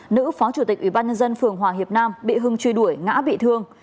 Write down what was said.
nữ phó chủ tịch ủy ban nhân dân phường hòa hiệp nam bị hưng truy đuổi ngã bị thương